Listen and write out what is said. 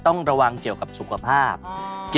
คนไม่ใช่กระสือ